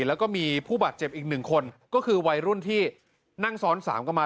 แล้วก็มีผู้บาดเจ็บอีกหนึ่งคนก็คือวัยรุ่นที่นั่งซ้อนสามกันมา